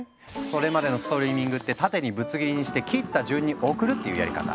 それまでのストリーミングってタテにぶつ切りにして切った順に送るっていうやり方。